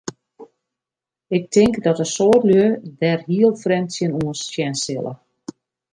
Ik tink dat in soad lju dêr hiel frjemd tsjinoan sjen sille.